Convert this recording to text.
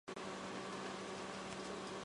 县治克里夫兰。